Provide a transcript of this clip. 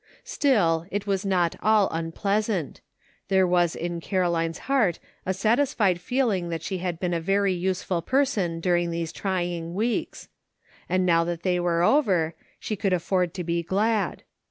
Still, it was not all unpleasant; there was in Caroline's heart a satisfied feeling that she had been a very useful person during these trying weeks; and now that they were over, she could afford to be glad.